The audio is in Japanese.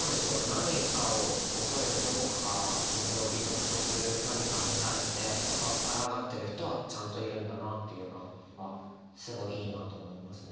何かを恐れてどこかからそれを美徳とする何かに対してやっぱあらがってる人はちゃんといるんだなっていう感覚がすごいいいなと思いますね。